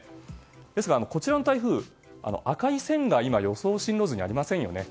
ですがこちらの台風、赤い線が予想進路図にありませんよね。